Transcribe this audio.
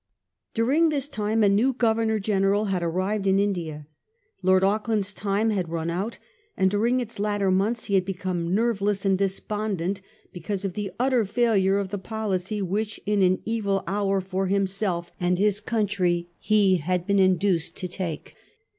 During this time a new Governor General had arrived in India. Lord Auckland's time had run out, and during its latter months he had become nerveless and despondent because of the utter failure of the policy which in an evil hour for himself and his 1842. LORD AUCKLAND'S DESPAIR. 259 country lie Had been induced to undertake.